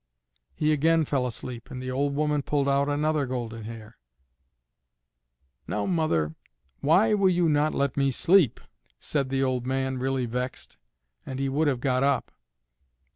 He again fell asleep, and the old woman pulled out another golden hair. "Now mother, why will you not let me sleep?" said the old man, really vexed; and he would have got up.